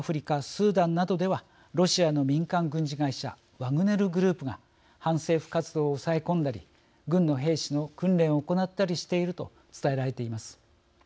スーダンなどではロシアの民間軍事会社ワグネル・グループが反政府活動を抑え込んだり軍の兵士の訓練を行ったりしていると伝えられています。